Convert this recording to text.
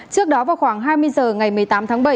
trước đó vào khoảng hai mươi h ngày một mươi tám tháng bảy